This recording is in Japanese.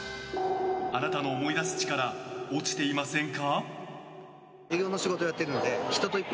あなたの思い出す力落ちていませんか？